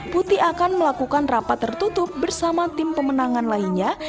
putih akan melakukan rapat tertutup bersama tim pemenangan lainnya